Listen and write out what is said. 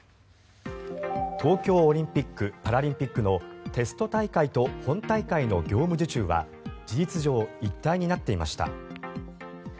東京オリンピック・パラリンピックのテスト大会と本大会の業務受注は事実上一体になっていました。